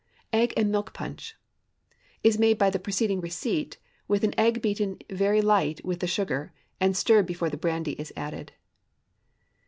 EGG AND MILK PUNCH ✠ Is made by the preceding receipt, with an egg beaten very light with the sugar, and stirred in before the brandy is added.